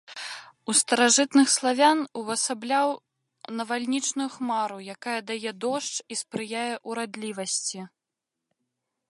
У старажытных славян увасабляў навальнічную хмару, якая дае дождж і спрыяе ўрадлівасці.